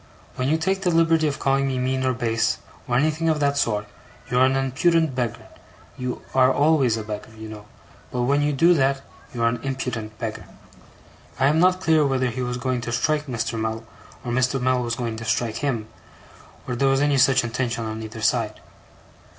When you take the liberty of calling me mean or base, or anything of that sort, you are an impudent beggar. You are always a beggar, you know; but when you do that, you are an impudent beggar.' I am not clear whether he was going to strike Mr. Mell, or Mr. Mell was going to strike him, or there was any such intention on either side.